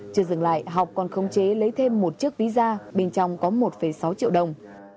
chưa dừng lại học còn không chế lấy thêm một chiếc visa bên trong có một sáu triệu đồng